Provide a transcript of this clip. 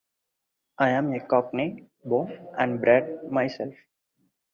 I'm a cockney born and bred myself.